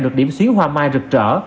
được điểm xuyến hoa mai rực trở